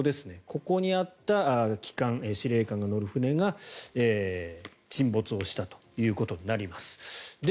ここにあった旗艦司令官が乗る船が沈没したということになります。